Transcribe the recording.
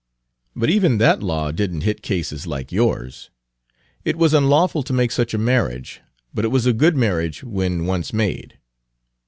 But even that law didn't hit cases like yours. It was unlawful to make such a marriage, but it was a good marriage when once made."